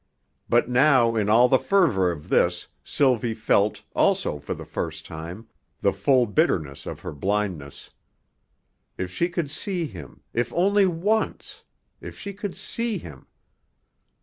But now in all the fervor of this, Sylvie felt, also for the first time, the full bitterness of her blindness. If she could see him if only once! If she could see him!